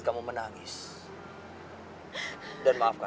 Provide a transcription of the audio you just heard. tapi sudah tentu dia memang cemas